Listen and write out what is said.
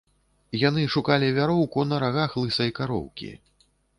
Яны шукалі вяроўку на рагах лысай кароўкі.